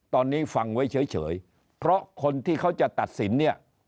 ตอนนี้ฟังไว้เฉยเพราะคนที่เขาจะตัดสินเนี่ย